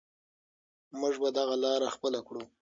موږ به دغه لاره خپله کړو.